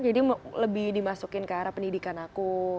jadi lebih dimasukin ke arah pendidikan aku